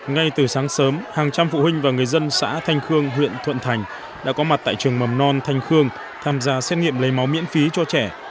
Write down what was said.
ngay từ sáng sớm hàng trăm phụ huynh và người dân xã thanh khương huyện thuận thành đã có mặt tại trường mầm non thanh khương tham gia xét nghiệm lấy máu miễn phí cho trẻ